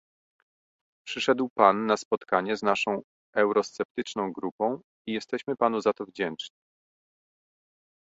Przyszedł pan na spotkanie z naszą eurosceptyczną grupą, i jesteśmy panu za to wdzięczni